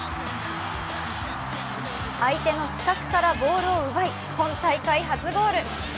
相手の死角からボールを奪い今大会初ゴール。